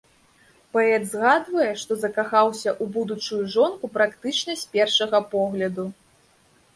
Паэт згадвае, што закахаўся ў будучую жонку практычна з першага погляду.